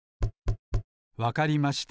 わかりました。